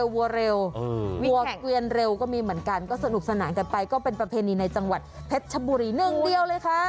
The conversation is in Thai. วัวเร็ววัวเกวียนเร็วก็มีเหมือนกันก็สนุกสนานกันไปก็เป็นประเพณีในจังหวัดเพชรชบุรีหนึ่งเดียวเลยค่ะ